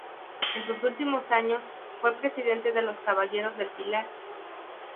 En sus últimos años, fue presidente de los Caballeros del Pilar.